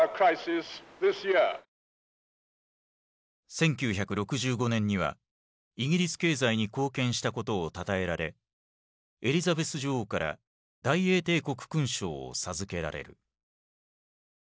１９６５年にはイギリス経済に貢献したことをたたえられエリザベス女王から大英帝国勲章を授けられる。